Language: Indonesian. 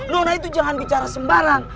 nona itu jangan bicara sembarang